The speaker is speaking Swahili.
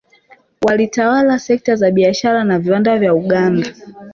Walitawala sekta za biashara na viwanda vya Uganda